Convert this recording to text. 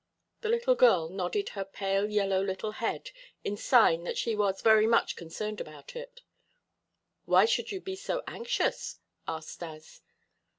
The little girl nodded her pale yellow little head in sign that she was very much concerned about it. "Why should you be so anxious?" asked Stas.